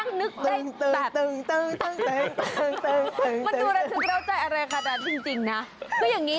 คุณค่ะคุณช่างนึกได้แบบ